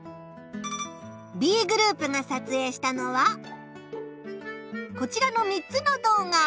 Ｂグループが撮影したのはこちらの３つの動画。